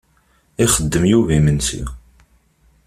Ixeddem Yuba imensi.